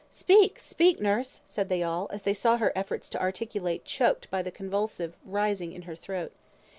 "Speak, speak, nurse!" said they all, as they saw her efforts to articulate, choked by the convulsive rising in her throat.